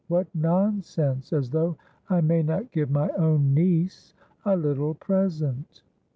What nonsense, as though I may not give my own niece a little present."